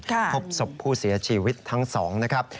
พบศพผู้เสียชีวิตทั้งสองนะครับ